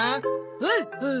ほうほう。